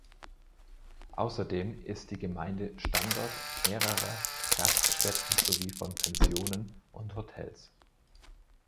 Außerdem ist die Gemeinde Standort mehrerer Gaststätten sowie von Pensionen und Hotels.